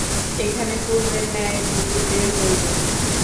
এখানে পূর্বের ন্যায় বুঝিতে হইবে।